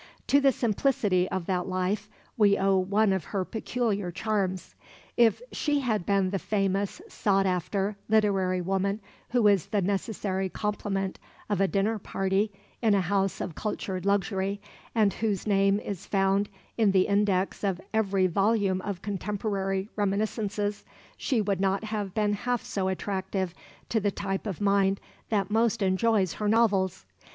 To the simplicity of that life we owe one of her peculiar charms. If she had been the famous, sought after literary woman who is the necessary complement of a dinner party in a house of cultured luxury, and whose name is found in the index of every volume of contemporary reminiscences, she would not have been half so attractive to the type of mind that most enjoys her novels.